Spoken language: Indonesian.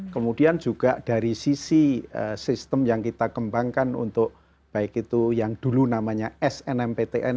kemudian juga dari sisi sistem yang kita kembangkan untuk baik itu yang dulu namanya snmptn